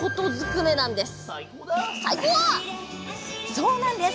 そうなんです。